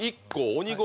鬼越